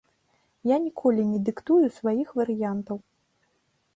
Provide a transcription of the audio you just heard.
Я ніколі не дыктую сваіх варыянтаў.